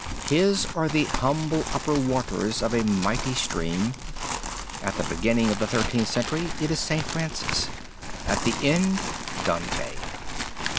His are the humble upper waters of a mighty stream: at the beginning of the Thirteenth Century, it is St. Francis, at the end, Dante.